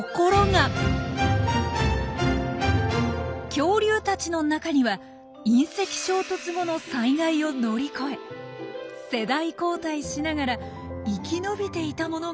恐竜たちの中には隕石衝突後の災害を乗り越え世代交代しながら生き延びていたものがいたのではないか？